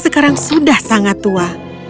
sekarang sudah sangat tua